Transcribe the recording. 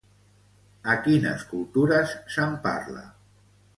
A quines cultures se'n parla?